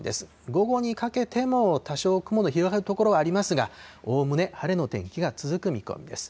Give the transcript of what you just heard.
午後にかけても多少雲の広がる所、ありますが、おおむね晴れの天気が続く見込みです。